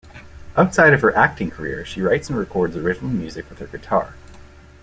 Outside of her acting career, she writes and records original music with her guitar.